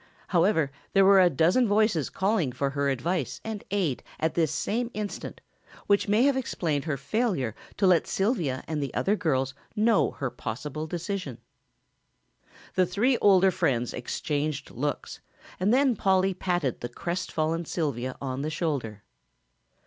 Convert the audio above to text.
However, there were a dozen voices calling for her advice and aid at this same instant, which may have explained her failure to let Sylvia and the other girls know her possible decision. The three older friends exchanged looks and then Polly patted the crestfallen Sylvia on the shoulder.